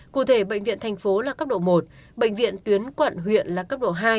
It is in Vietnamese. cụ thể bệnh viện thành phố là cấp độ một bệnh viện tuyến quận huyện là cấp độ hai